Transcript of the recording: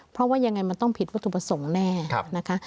เพราะว่ายังไงมันต้องผิดวัตถุประสงค์แน่นะคะ